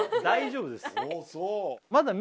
大丈夫ですああ